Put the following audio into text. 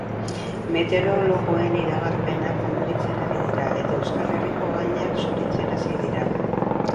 Meteorologoen iragarpenak konplitzen ari dira, eta Euskal Herriko gainak zuritzen hasi dira.